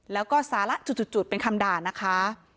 แล้วก็สาระจุดเป็นคำด่านะคะ